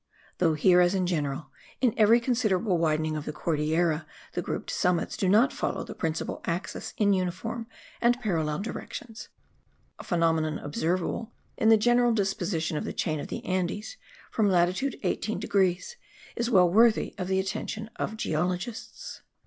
Though here, as in general, in every considerable widening of the Cordillera, the grouped summits do not follow the principal axis in uniform and parallel directions, a phenomenon observable in the general disposition of the chain of the Andes, from latitude 18 degrees, is well worthy the attention of geologists.